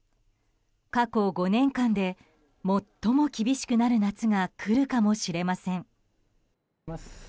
過去５年間で最も厳しくなる夏が来るかもしれません。